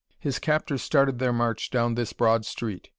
His captors started their march down this broad street.